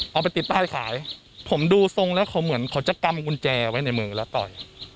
เอาไปติดป้ายขายผมดูทรงแล้วเขาเหมือนเขาจะกำกุญแจไว้ในมือแล้วต่อย